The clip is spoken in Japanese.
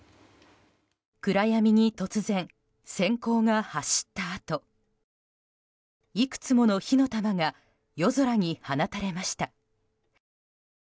暗闇に突然、閃光が走ったあといくつもの火の玉が夜空に放たれました。